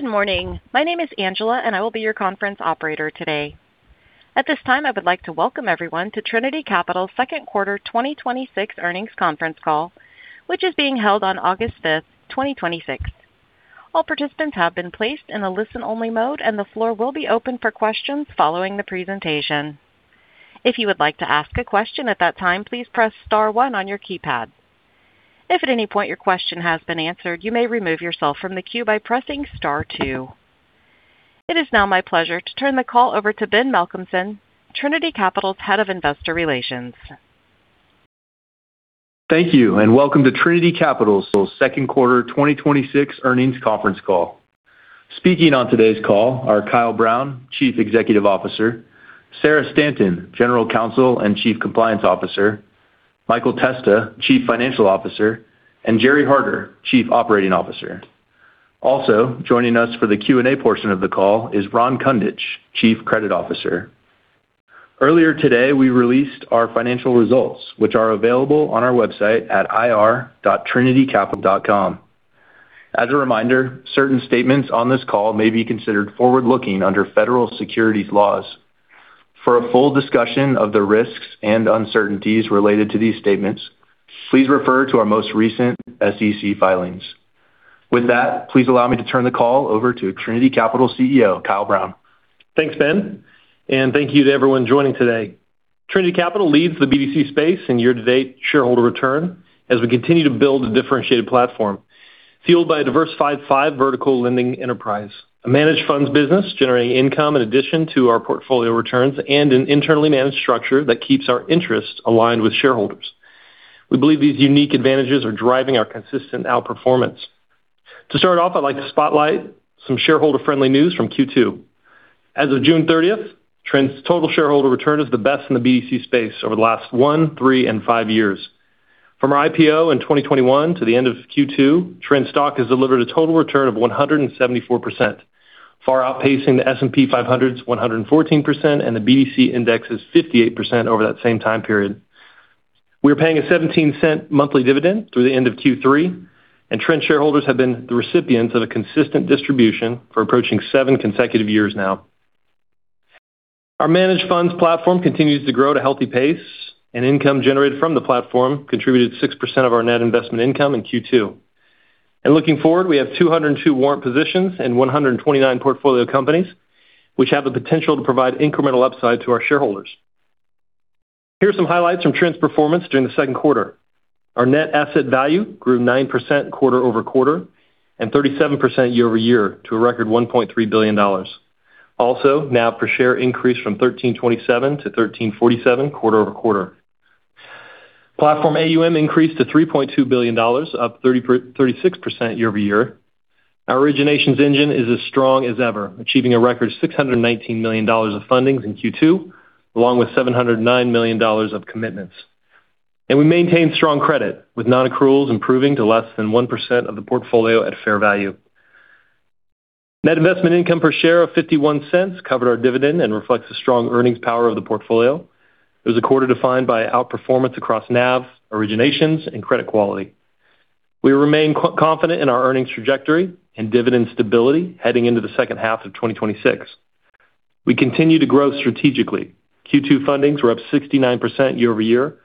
Good morning. My name is Angela, and I will be your conference operator today. At this time, I would like to welcome everyone to Trinity Capital's second quarter 2026 earnings conference call, which is being held on August 5th, 2026. All participants have been placed in a listen-only mode, and the floor will be open for questions following the presentation. If you would like to ask a question at that time, please press star one on your keypad. If at any point your question has been answered, you may remove yourself from the queue by pressing star two. It is now my pleasure to turn the call over to Ben Malcolmson, Trinity Capital's Head of Investor Relations. Thank you, and welcome to Trinity Capital's second quarter 2026 earnings conference call. Speaking on today's call are Kyle Brown, Chief Executive Officer, Sarah Stanton, General Counsel and Chief Compliance Officer, Michael Testa, Chief Financial Officer, and Gerry Harder, Chief Operating Officer. Also joining us for the Q&A portion of the call is Ron Kundich, Chief Credit Officer. Earlier today, we released our financial results, which are available on our website at ir.trinitycapital.com. As a reminder, certain statements on this call may be considered Forward-Looking under federal securities laws. For a full discussion of the risks and uncertainties related to these statements, please refer to our most recent SEC filings. With that, please allow me to turn the call over to Trinity Capital CEO, Kyle Brown. Thanks, Ben. Thank you to everyone joining today. Trinity Capital leads the BDC space in year-to-date shareholder return as we continue to build a differentiated platform fueled by a diversified five vertical lending enterprise, a managed funds business generating income in addition to our portfolio returns, and an internally managed structure that keeps our interests aligned with shareholders. We believe these unique advantages are driving our consistent outperformance. To start off, I'd like to spotlight some shareholder-friendly news from Q2. As of June 30th, Trin's total shareholder return is the best in the BDC space over the last one, three, and five years. From our IPO in 2021 to the end of Q2, Trin's stock has delivered a total return of 174%, far outpacing the S&P 500's 114% and the BDC index's 58% over that same time period. We are paying a $0.17 monthly dividend through the end of Q3, and Trin shareholders have been the recipients of a consistent distribution for approaching seven consecutive years now. Our managed funds platform continues to grow at a healthy pace, and income generated from the platform contributed 6% of our net investment income in Q2. Looking forward, we have 202 warrant positions and 129 portfolio companies which have the potential to provide incremental upside to our shareholders. Here are some highlights from Trin's performance during the second quarter. Our net asset value grew 9% quarter-over-quarter and 37% year-over-year to a record $1.3 billion. Also, NAV per share increased from $13.27-$13.47 quarter-over-quarter. Platform AUM increased to $3.2 billion, up 36% year-over-year. Our originations engine is as strong as ever, achieving a record $619 million of fundings in Q2, along with $709 million of commitments. We maintain strong credit, with non-accruals improving to less than 1% of the portfolio at fair value. Net investment income per share of $0.51 covered our dividend and reflects the strong earnings power of the portfolio. It was a quarter defined by outperformance across NAV, originations, and credit quality. We remain confident in our earnings trajectory and dividend stability heading into the second half of 2026. We continue to grow strategically. Q2 fundings were up 69% year-over-year,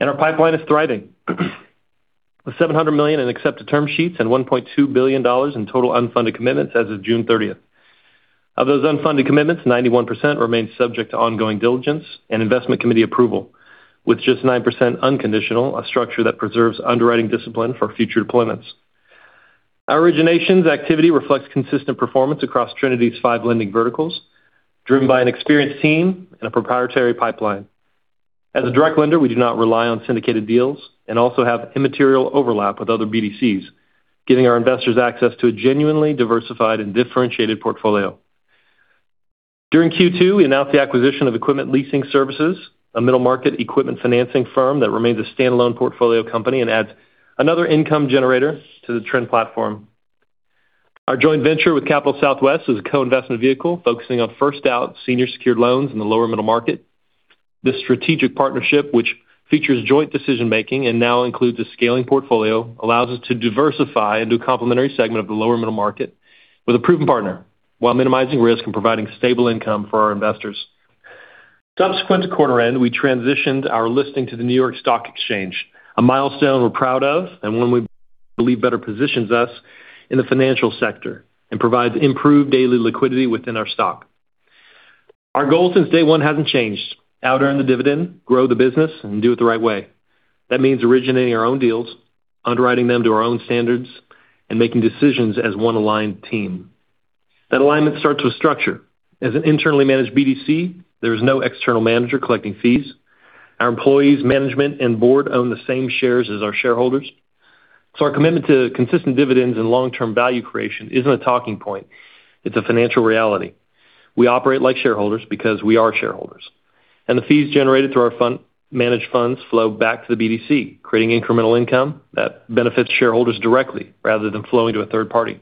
and our pipeline is thriving with $700 million in accepted term sheets and $1.2 billion in total unfunded commitments as of June 30th. Of those unfunded commitments, 91% remain subject to ongoing diligence and investment committee approval, with just 9% unconditional, a structure that preserves underwriting discipline for future deployments. Our originations activity reflects consistent performance across Trinity's five lending verticals, driven by an experienced team and a proprietary pipeline. As a direct lender, we do not rely on syndicated deals and also have immaterial overlap with other BDCs, giving our investors access to a genuinely diversified and differentiated portfolio. During Q2, we announced the acquisition of Equipment Leasing Services, a middle-market equipment financing firm that remains a standalone portfolio company and adds another income generator to the TRIN platform. Our joint venture with Capital Southwest is a co-investment vehicle focusing on first-out senior secured loans in the lower middle market. This strategic partnership, which features joint decision-making and now includes a scaling portfolio, allows us to diversify into a complementary segment of the lower middle market with a proven partner while minimizing risk and providing stable income for our investors. Subsequent to quarter end, we transitioned our listing to the New York Stock Exchange, a milestone we're proud of and one we believe better positions us in the financial sector and provides improved daily liquidity within our stock. Our goal since day one hasn't changed. Out earn the dividend, grow the business, and do it the right way. That means originating our own deals, underwriting them to our own standards, and making decisions as one aligned team. That alignment starts with structure. As an internally managed BDC, there is no external manager collecting fees. Our employees, management, and board own the same shares as our shareholders. Our commitment to consistent dividends and long-term value creation isn't a talking point, it's a financial reality. We operate like shareholders because we are shareholders. The fees generated through our managed funds flow back to the BDC, creating incremental income that benefits shareholders directly rather than flowing to a third party.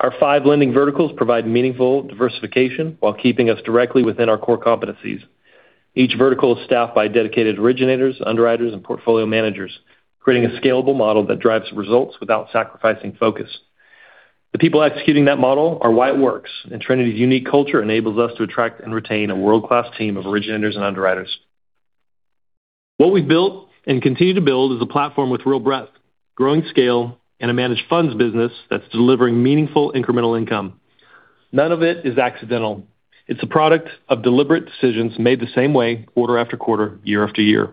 Our five lending verticals provide meaningful diversification while keeping us directly within our core competencies. Each vertical is staffed by dedicated originators, underwriters, and portfolio managers, creating a scalable model that drives results without sacrificing focus. The people executing that model are why it works. Trinity's unique culture enables us to attract and retain a world-class team of originators and underwriters. What we've built and continue to build is a platform with real breadth, growing scale, and a managed funds business that's delivering meaningful incremental income. None of it is accidental. It's a product of deliberate decisions made the same way quarter after quarter, year after year.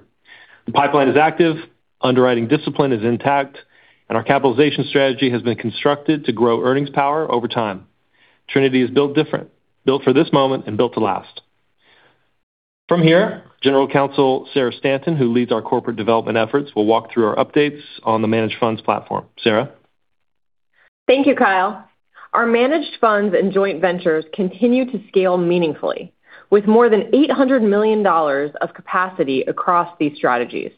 The pipeline is active, underwriting discipline is intact. Our capitalization strategy has been constructed to grow earnings power over time. Trinity is built different, built for this moment, and built to last. From here, General Counsel Sarah Stanton, who leads our corporate development efforts, will walk through our updates on the managed funds platform. Sarah? Thank you, Kyle. Our managed funds and joint ventures continue to scale meaningfully. With more than $800 million of capacity across these strategies,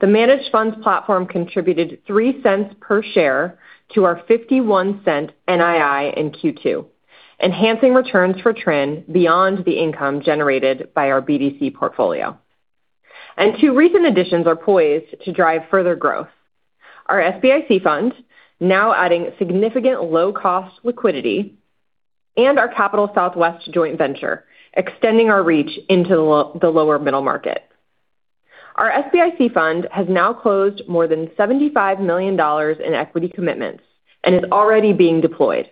the managed funds platform contributed $0.03 per share to our $0.51 NII in Q2, enhancing returns for TRIN beyond the income generated by our BDC portfolio. Two recent additions are poised to drive further growth. Our SBIC funds, now adding significant low-cost liquidity, and our Capital Southwest joint venture, extending our reach into the lower middle market. Our SBIC fund has now closed more than $75 million in equity commitments and is already being deployed.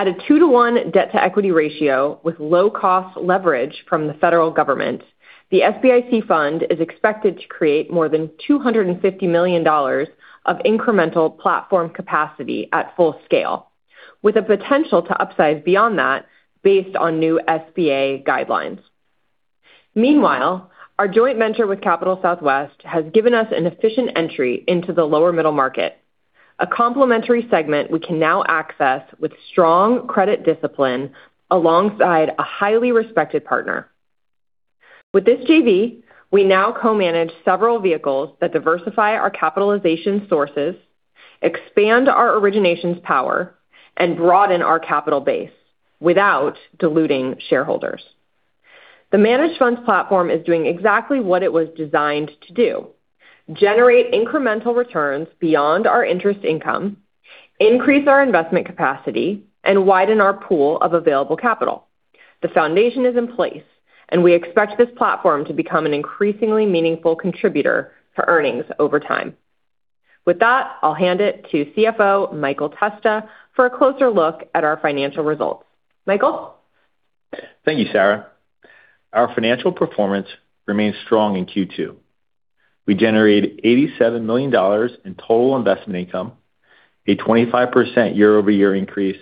At a 2:1 debt-to-equity ratio with low-cost leverage from the federal government, the SBIC fund is expected to create more than $250 million of incremental platform capacity at full scale, with the potential to upsize beyond that based on new SBA guidelines. Meanwhile, our joint venture with Capital Southwest has given us an efficient entry into the lower middle market, a complementary segment we can now access with strong credit discipline alongside a highly respected partner. With this JV, we now co-manage several vehicles that diversify our capitalization sources, expand our originations power, and broaden our capital base without diluting shareholders. The managed funds platform is doing exactly what it was designed to do. Generate incremental returns beyond our interest income, increase our investment capacity, and widen our pool of available capital. The foundation is in place. We expect this platform to become an increasingly meaningful contributor to earnings over time. With that, I'll hand it to CFO Michael Testa for a closer look at our financial results. Michael? Thank you, Sarah. Our financial performance remains strong in Q2. We generated $87 million in total investment income, a 25% year-over-year increase,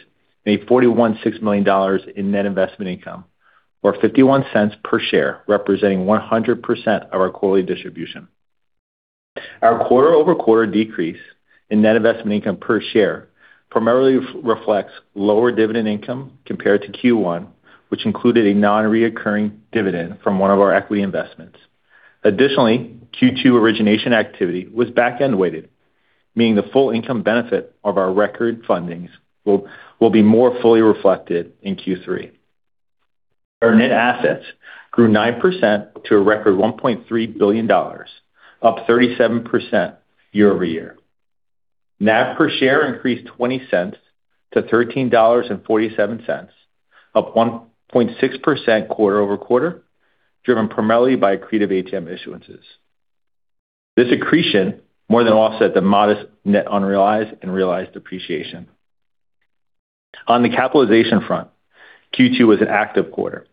made $41.6 million in net investment income, or $0.51 per share, representing 100% of our quarterly distribution. Our quarter-over-quarter decrease in net investment income per share primarily reflects lower dividend income compared to Q1, which included a non-reoccurring dividend from one of our equity investments. Additionally, Q2 origination activity was back-end weighted, meaning the full income benefit of our record fundings will be more fully reflected in Q3. Our net assets grew 9% to a record $1.3 billion, up 37% year-over-year. NAV per share increased $0.20-$13.47, up 1.6% quarter-over-quarter, driven primarily by accretive ATM issuances. This accretion more than offset the modest net unrealized and realized appreciation. On the capitalization front, Q2 was an active quarter.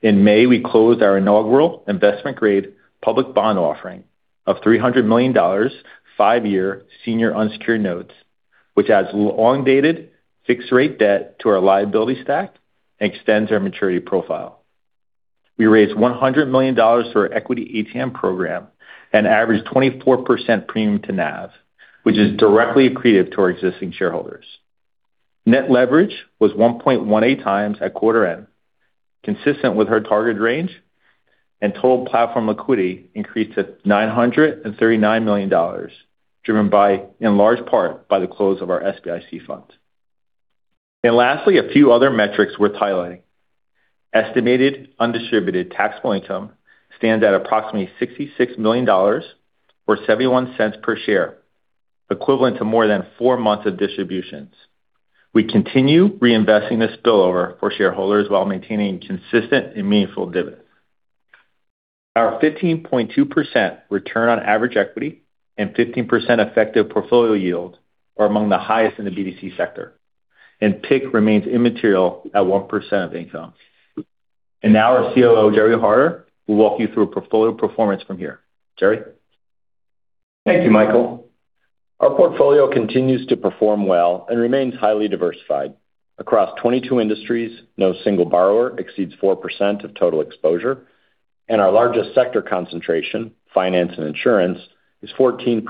In May, we closed our inaugural investment-grade public bond offering of $300 million five-year senior unsecured notes, which adds long-dated fixed-rate debt to our liability stack and extends our maturity profile. We raised $100 million through our equity ATM program, an average 24% premium to NAV, which is directly accretive to our existing shareholders. Net leverage was 1.18 times at quarter end, consistent with our target range, total platform liquidity increased to $939 million, driven in large part by the close of our SBIC fund. Lastly, a few other metrics worth highlighting. Estimated undistributed taxable income stands at approximately $66 million, or $0.71 per share, equivalent to more than four months of distributions. We continue reinvesting this spillover for shareholders while maintaining consistent and meaningful dividends. Our 15.2% return on average equity and 15% effective portfolio yield are among the highest in the BDC sector, PIK remains immaterial at 1% of income. Now our COO, Gerry Harder, will walk you through portfolio performance from here. Gerry? Thank you, Michael. Our portfolio continues to perform well and remains highly diversified. Across 22 industries, no single borrower exceeds 4% of total exposure, our largest sector concentration, finance and insurance, is 14%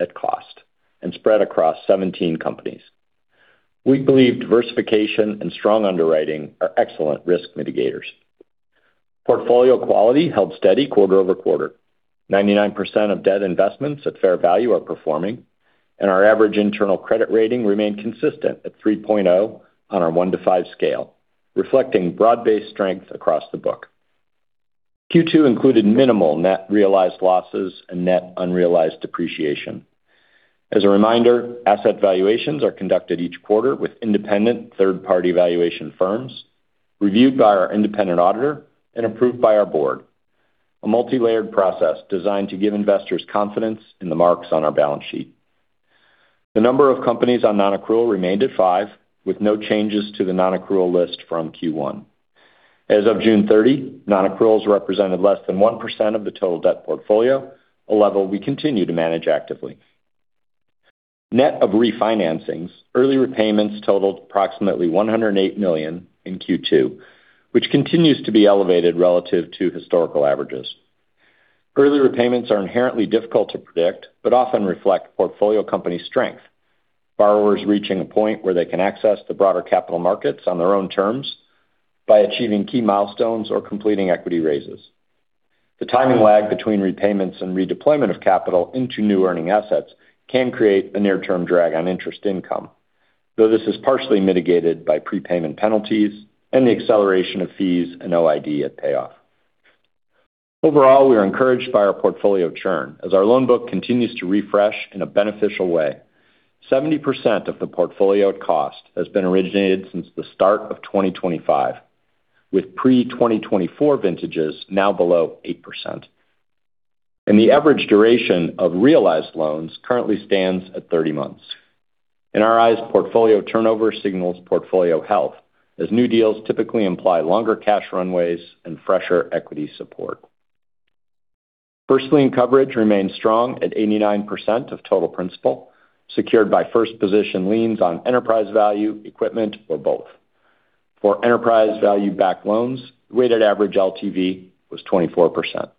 at cost and spread across 17 companies. We believe diversification and strong underwriting are excellent risk mitigators. Portfolio quality held steady quarter-over-quarter. 99% of debt investments at fair value are performing. Our average internal credit rating remained consistent at 3.0 on our one to five scale, reflecting broad-based strength across the book. Q2 included minimal net realized losses and net unrealized depreciation. As a reminder, asset valuations are conducted each quarter with independent third-party valuation firms, reviewed by our independent auditor, and approved by our board, a multi-layered process designed to give investors confidence in the marks on our balance sheet. The number of companies on nonaccrual remained at five, with no changes to the nonaccrual list from Q1. As of June 30, nonaccruals represented less than 1% of the total debt portfolio, a level we continue to manage actively. Net of refinancings, early repayments totaled approximately $108 million in Q2, which continues to be elevated relative to historical averages. Early repayments are inherently difficult to predict, but often reflect portfolio company strength, borrowers reaching a point where they can access the broader capital markets on their own terms by achieving key milestones or completing equity raises. The timing lag between repayments and redeployment of capital into new earning assets can create a near-term drag on interest income, though this is partially mitigated by prepayment penalties and the acceleration of fees and OID at payoff. Overall, we are encouraged by our portfolio churn as our loan book continues to refresh in a beneficial way. 70% of the portfolio at cost has been originated since the start of 2025, with pre-2024 vintages now below 8%. The average duration of realized loans currently stands at 30 months. In our eyes, portfolio turnover signals portfolio health, as new deals typically imply longer cash runways and fresher equity support. First lien coverage remains strong at 89% of total principal, secured by first position liens on enterprise value, equipment, or both. For enterprise value-backed loans, the weighted average LTV was 24%.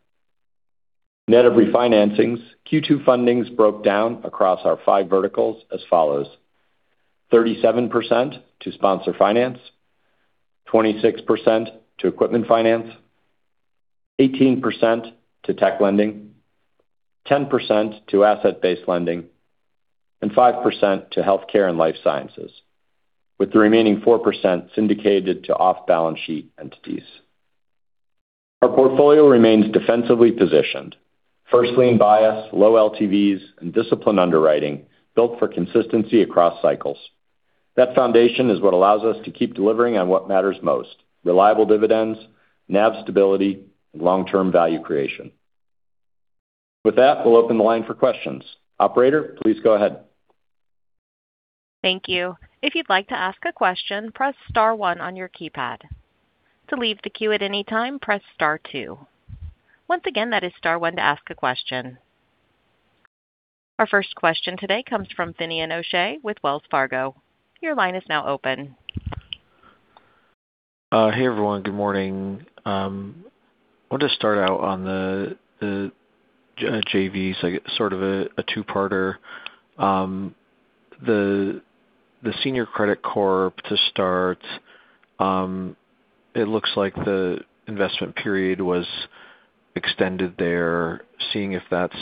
Net of refinancings, Q2 fundings broke down across our five verticals as follows: 37% to sponsor finance, 26% to equipment finance, 18% to tech lending, 10% to asset-based lending, and 5% to healthcare and life sciences, with the remaining 4% syndicated to off-balance sheet entities. Our portfolio remains defensively positioned. First lien bias, low LTVs, and disciplined underwriting built for consistency across cycles. That foundation is what allows us to keep delivering on what matters most: reliable dividends, NAV stability, and long-term value creation. With that, we'll open the line for questions. Operator, please go ahead. Thank you. If you'd like to ask a question, press star one on your keypad. To leave the queue at any time, press star two. Once again, that is star one to ask a question. Our first question today comes from Finian O'Shea with Wells Fargo. Your line is now open. Hey, everyone. Good morning. I want to start out on the JVs, sort of a two-parter. The Senior Credit Corp to start. It looks like the investment period was extended there. Seeing if that's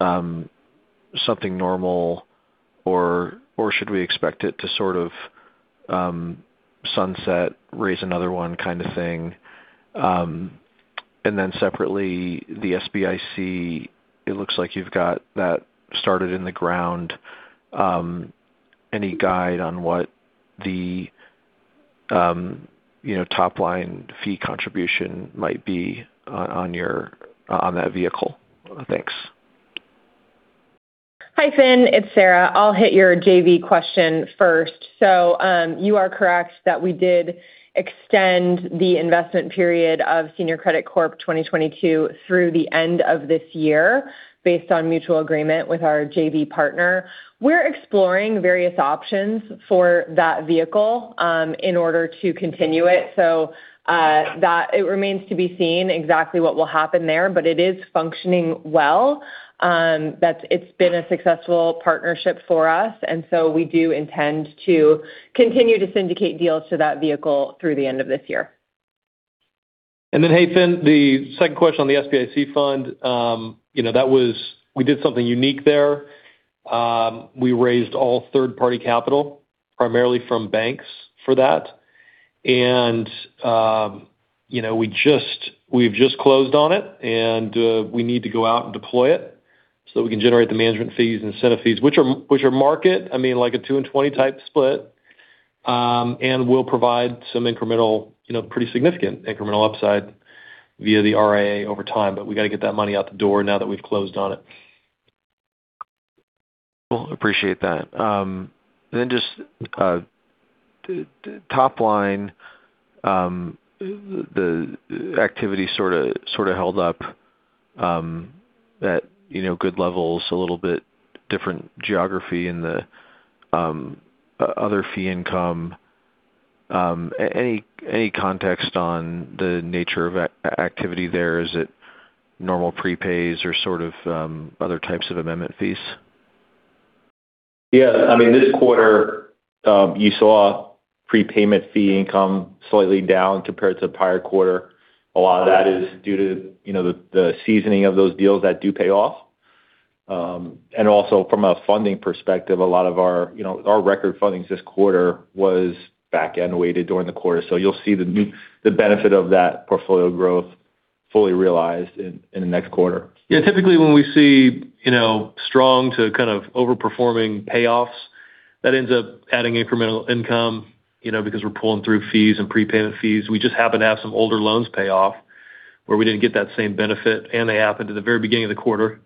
something normal or should we expect it to sort of sunset, raise another one kind of thing? Separately, the SBIC, it looks like you've got that started in the ground. Any guide on what the top line fee contribution might be on that vehicle? Thanks. Hi, Finn. It's Sarah. I'll hit your JV question first. You are correct that we did extend the investment period of Senior Credit Corp 2022 through the end of this year, based on mutual agreement with our JV partner. We're exploring various options for that vehicle in order to continue it. It remains to be seen exactly what will happen there, it is functioning well. It's been a successful partnership for us, we do intend to continue to syndicate deals to that vehicle through the end of this year. Hey, Finn, the second question on the SBIC fund. We did something unique there. We raised all third-party capital, primarily from banks for that. We've just closed on it, we need to go out and deploy it so that we can generate the management fees and incentive fees, which are market, like a two and 20 type split, will provide some pretty significant incremental upside via the RIA over time. We got to get that money out the door now that we've closed on it. Cool. Appreciate that. Just top line, the activity sort of held up at good levels, a little bit different geography in the other fee income. Any context on the nature of activity there? Is it normal prepays or sort of other types of amendment fees? Yeah. This quarter, you saw prepayment fee income slightly down compared to the prior quarter. A lot of that is due to the seasoning of those deals that do pay off. Also from a funding perspective, our record fundings this quarter was back-end weighted during the quarter. You'll see the benefit of that portfolio growth fully realized in the next quarter. Yeah. Typically, when we see strong to over-performing payoffs, that ends up adding incremental income because we're pulling through fees and prepayment fees. We just happen to have some older loans pay off where we didn't get that same benefit, and they happened at the very beginning of the quarter,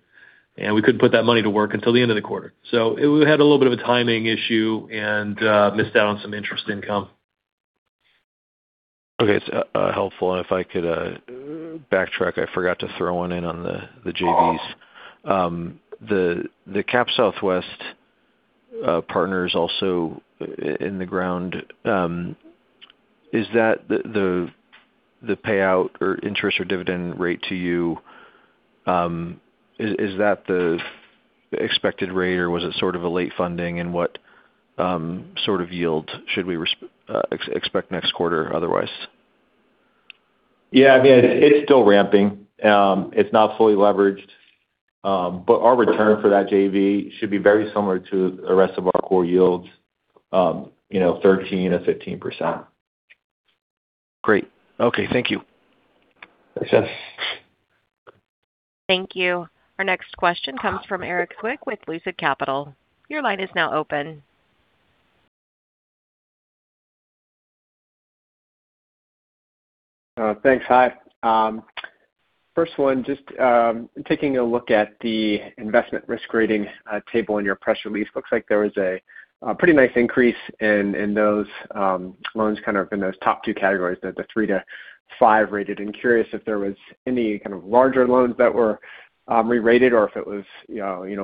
and we couldn't put that money to work until the end of the quarter. We had a little bit of a timing issue and missed out on some interest income. Okay. It's helpful. If I could backtrack, I forgot to throw one in on the JVs. The CapTrin Partners also in the ground. Is that the payout or interest or dividend rate to you, is that the expected rate or was it sort of a late funding and what sort of yield should we expect next quarter otherwise? Yeah. It's still ramping. It's not fully leveraged. Our return for that JV should be very similar to the rest of our core yields, 13% or 15%. Great. Okay. Thank you. Thanks, Finn. Thank you. Our next question comes from Erik Zwick with Lucid Capital. Your line is now open. Thanks. Hi. First one, just taking a look at the investment risk rating table in your press release, looks like there was a pretty nice increase in those loans in those top two categories, the three to five rated. I'm curious if there was any kind of larger loans that were re-rated or if it was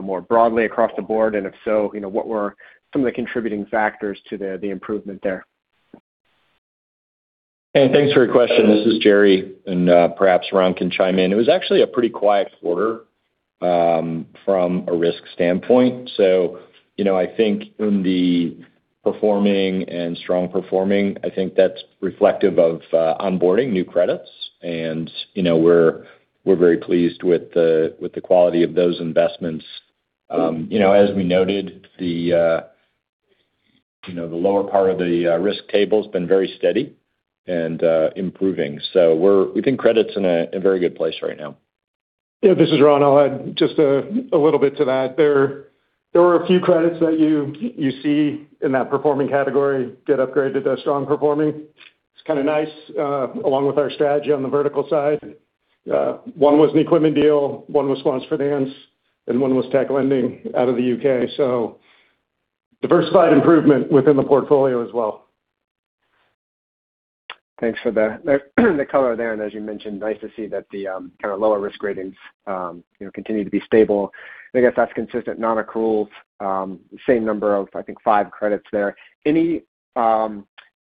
more broadly across the board, and if so, what were some of the contributing factors to the improvement there? Hey, thanks for your question. This is Gerry, and perhaps Ron can chime in. It was actually a pretty quiet quarter from a risk standpoint. I think in the performing and strong performing, I think that's reflective of onboarding new credits. We're very pleased with the quality of those investments. As we noted, the lower part of the risk table's been very steady and improving. We think credit's in a very good place right now. Yeah, this is Ron. I'll add just a little bit to that. There were a few credits that you see in that performing category get upgraded to strong performing. It's kind of nice along with our strategy on the vertical side. One was an equipment deal, one was sponsor finance, and one was tech lending out of the U.K. Diversified improvement within the portfolio as well. Thanks for the color there. As you mentioned, nice to see that the lower risk ratings continue to be stable. I guess that's consistent non-accruals, same number of, I think, five credits there. Any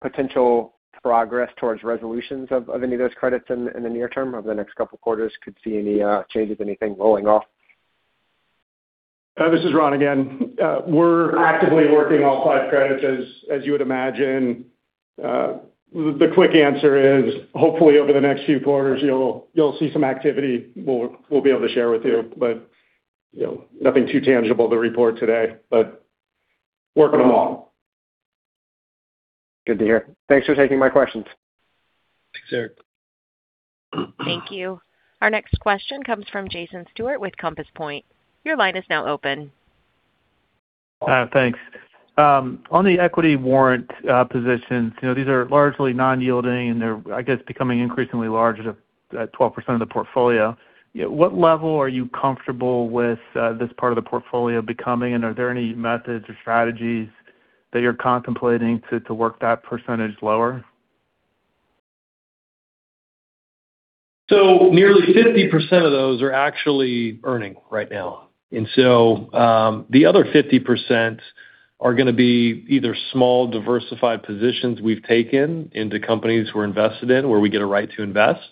potential progress towards resolutions of any of those credits in the near term over the next couple of quarters could see any changes, anything rolling off? This is Ron again. We're actively working all five credits, as you would imagine. The quick answer is, hopefully over the next few quarters, you'll see some activity we'll be able to share with you, but nothing too tangible to report today, working them all. Good to hear. Thanks for taking my questions. Thanks, Erik. Thank you. Our next question comes from Jason Stewart with Compass Point. Your line is now open. Thanks. On the equity warrant positions, these are largely non-yielding and they're becoming increasingly large at 12% of the portfolio. What level are you comfortable with this part of the portfolio becoming, and are there any methods or strategies that you're contemplating to work that percentage lower? Nearly 50% of those are actually earning right now. The other 50% are going to be either small diversified positions we've taken into companies we're invested in, where we get a right to invest.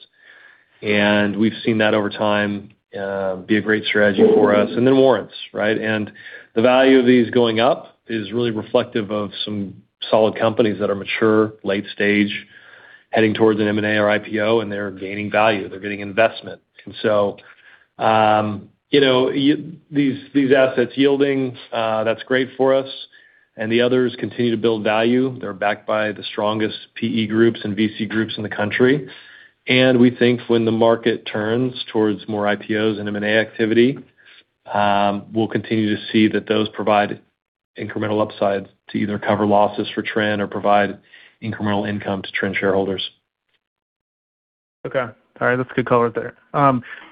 We've seen that over time be a great strategy for us. Then warrants, right? The value of these going up is really reflective of some solid companies that are mature, late stage, heading towards an M&A or IPO, and they're gaining value. They're getting investment. These assets yielding, that's great for us, and the others continue to build value. They're backed by the strongest PE groups and VC groups in the country. We think when the market turns towards more IPOs and M&A activity, we'll continue to see that those provide incremental upsides to either cover losses for TRIN or provide incremental income to TRIN shareholders. Okay. All right. That's good color there.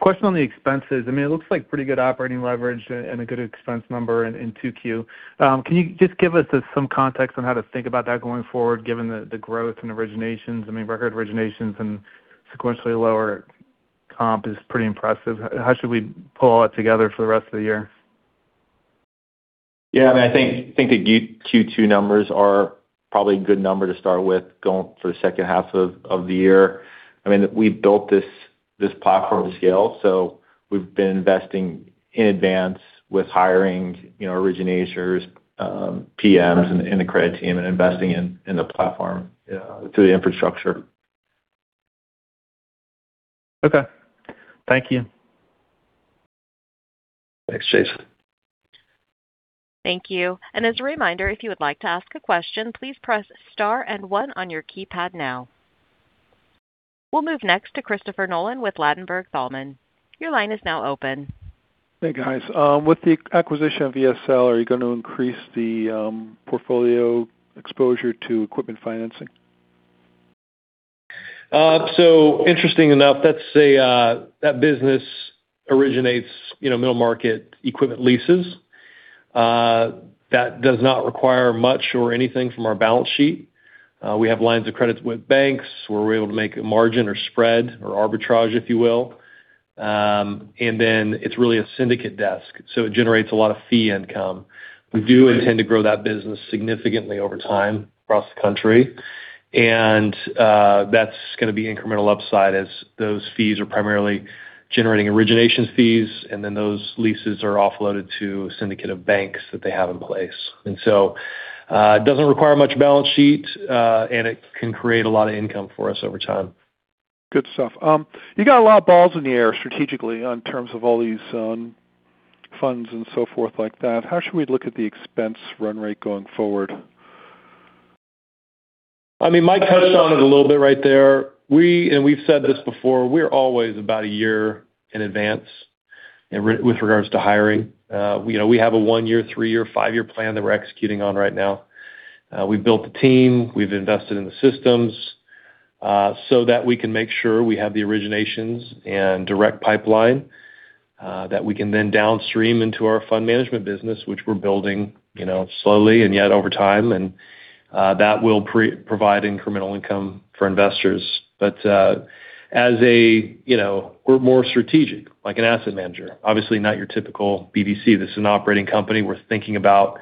Question on the expenses. It looks like pretty good operating leverage and a good expense number in 2Q. Can you just give us some context on how to think about that going forward, given the growth in originations? Record originations and sequentially lower comp is pretty impressive. How should we pull all that together for the rest of the year? Yeah. I think the Q2 numbers are probably a good number to start with going for the second half of the year. We built this platform to scale, so we've been investing in advance with hiring originators, PMs in the credit team, and investing in the platform, yeah, to the infrastructure. Okay. Thank you. Thanks, Jason. Thank you. As a reminder, if you would like to ask a question, please press star and one on your keypad now. We'll move next to Christopher Nolan with Ladenburg Thalmann. Your line is now open. Hey, guys. With the acquisition of ELS, are you going to increase the portfolio exposure to equipment financing? Interesting enough, that business originates middle-market equipment leases. That does not require much or anything from our balance sheet. We have lines of credits with banks where we're able to make a margin or spread or arbitrage, if you will. It's really a syndicate desk, so it generates a lot of fee income. We do intend to grow that business significantly over time across the country. That's going to be incremental upside as those fees are primarily generating origination fees, and then those leases are offloaded to a syndicate of banks that they have in place. It doesn't require much balance sheet, and it can create a lot of income for us over time. Good stuff. You got a lot of balls in the air strategically in terms of all these funds and so forth like that. How should we look at the expense run rate going forward? Mike touched on it a little bit right there. We've said this before, we're always about a year in advance with regards to hiring. We have a one-year, three-year, five-year plan that we're executing on right now. We've built the team, we've invested in the systems so that we can make sure we have the originations and direct pipeline that we can then downstream into our fund management business, which we're building slowly and yet over time, and that will provide incremental income for investors. We're more strategic, like an asset manager. Obviously not your typical BDC. This is an operating company. We're thinking about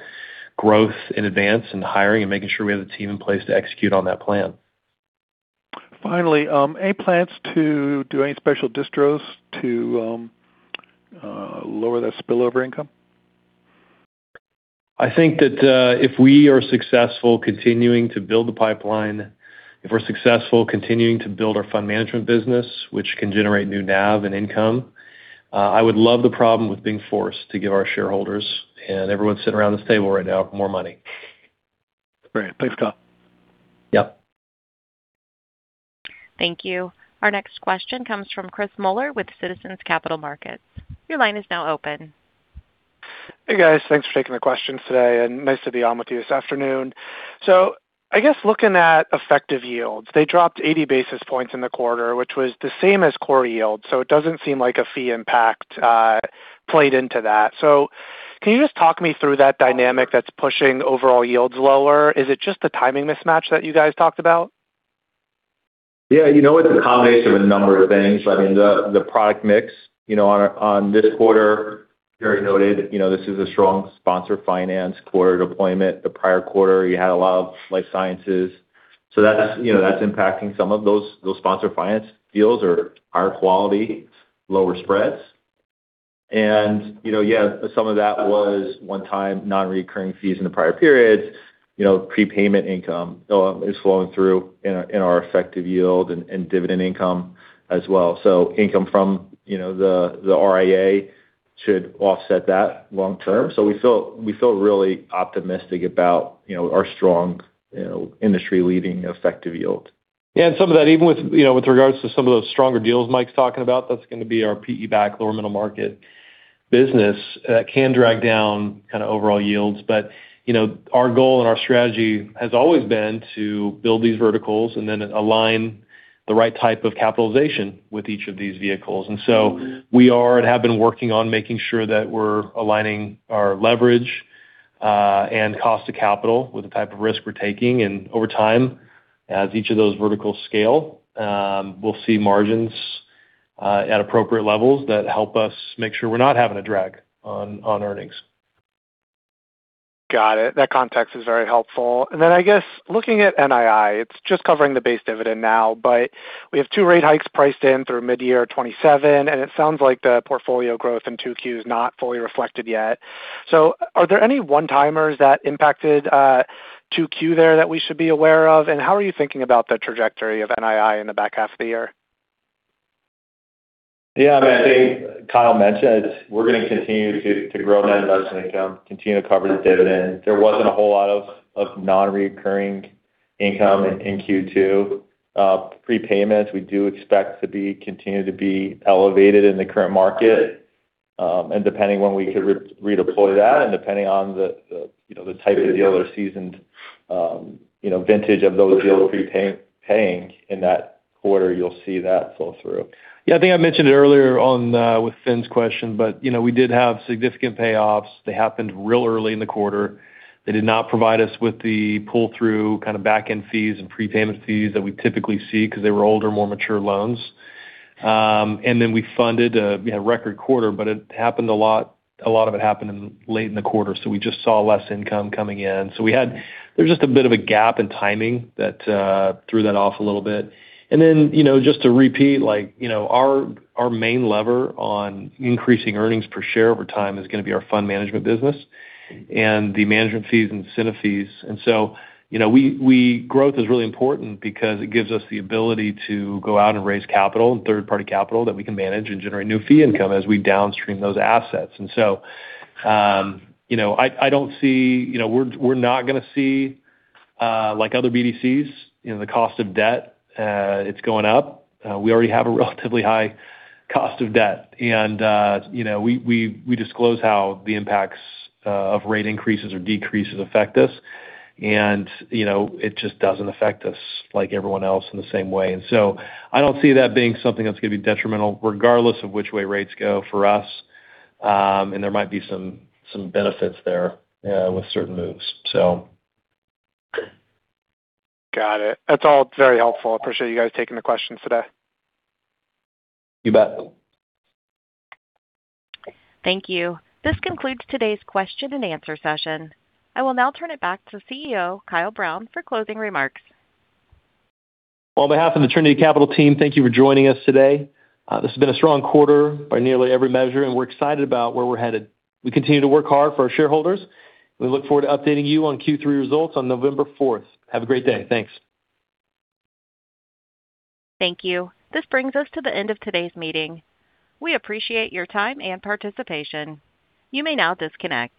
growth in advance and hiring and making sure we have the team in place to execute on that plan. Any plans to do any special distros to lower that spillover income? I think that if we are successful continuing to build the pipeline, if we're successful continuing to build our fund management business, which can generate new NAV and income, I would love the problem with being forced to give our shareholders and everyone sitting around this table right now more money. Great. Thanks, Kyle. Yep. Thank you. Our next question comes from Chris Muller with Citizens Capital Markets. Your line is now open. I guess looking at effective yields, they dropped 80 basis points in the quarter, which was the same as core yield. It doesn't seem like a fee impact played into that. Can you just talk me through that dynamic that's pushing overall yields lower? Is it just the timing mismatch that you guys talked about? Yeah. It's a combination of a number of things. I mean, the product mix on this quarter, Gerry noted this is a strong sponsor finance quarter deployment. The prior quarter, you had a lot of life sciences. That's impacting some of those sponsor finance deals or our quality lower spreads. Yeah, some of that was one-time non-recurring fees in the prior periods, prepayment income is flowing through in our effective yield and dividend income as well. Income from the RIA should offset that long term. We feel really optimistic about our strong industry-leading effective yield. Yeah. Some of that, even with regards to some of those stronger deals Michael's talking about, that's going to be our PE-backed lower middle market business. That can drag down kind of overall yields. Our goal and our strategy has always been to build these verticals and then align the right type of capitalization with each of these vehicles. We are and have been working on making sure that we're aligning our leverage and cost of capital with the type of risk we're taking. Over time, as each of those verticals scale, we'll see margins at appropriate levels that help us make sure we're not having a drag on earnings. Got it. That context is very helpful. I guess looking at NII, it's just covering the base dividend now. We have two rate hikes priced in through mid-year 2027, and it sounds like the portfolio growth in 2Q is not fully reflected yet. Are there any one-timers that impacted 2Q there that we should be aware of? How are you thinking about the trajectory of NII in the back half of the year? Yeah. I think Kyle mentioned we're going to continue to grow net investment income, continue to cover the dividend. There wasn't a whole lot of non-reoccurring income in Q2. Prepayments, we do expect to continue to be elevated in the current market. Depending on when we could redeploy that, and depending on the type of deal or seasoned vintage of those deals prepaying in that quarter, you'll see that flow through. Yeah, I think I mentioned it earlier on with Finn's question, we did have significant payoffs. They happened real early in the quarter. They did not provide us with the pull-through kind of back-end fees and prepayment fees that we typically see because they were older, more mature loans. We funded a record quarter, a lot of it happened late in the quarter, we just saw less income coming in. There was just a bit of a gap in timing that threw that off a little bit. Just to repeat, our main lever on increasing earnings per share over time is going to be our fund management business and the management fees and incentive fees. Growth is really important because it gives us the ability to go out and raise capital and third-party capital that we can manage and generate new fee income as we downstream those assets. We're not going to see, like other BDCs, the cost of debt it's going up. We already have a relatively high cost of debt. We disclose how the impacts of rate increases or decreases affect us, and it just doesn't affect us like everyone else in the same way. I don't see that being something that's going to be detrimental regardless of which way rates go for us. There might be some benefits there with certain moves. Got it. That's all very helpful. Appreciate you guys taking the questions today. You bet. Thank you. This concludes today's question-and-answer session. I will now turn it back to CEO Kyle Brown for closing remarks. On behalf of the Trinity Capital team, thank you for joining us today. This has been a strong quarter by nearly every measure, and we're excited about where we're headed. We continue to work hard for our shareholders. We look forward to updating you on Q3 results on November fourth. Have a great day. Thanks. Thank you. This brings us to the end of today's meeting. We appreciate your time and participation. You may now disconnect.